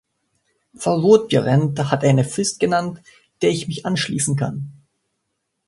Frau Roth-Behrendt hat eine Frist genannt, der ich mich anschließen kann.